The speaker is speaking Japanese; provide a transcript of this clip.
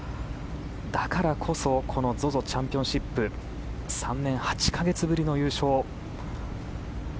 だからこそこのＺＯＺＯチャンピオンシップ３年８か月ぶりの優勝。